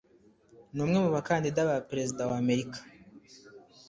Ni umwe mu bakandida ba Perezida wa Amerika.